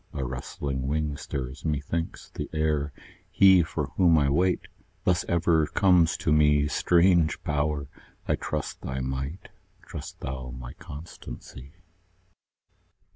a rustling wing stirs, methinks, the air: He for whom I wait, thus ever comes to me; Strange Power! I trust thy might; trust thou my constancy.